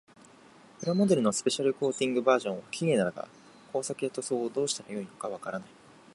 プラモデルのスペシャルコーティングバージョンは綺麗だが、工作や塗装をどうしたらよいのかわからない。